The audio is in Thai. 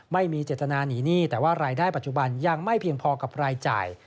ไม่มีเจตนาหนีหนี้แต่ว่ารายได้ปัจจุบันยังไม่เพียงพอกับรายจ่าย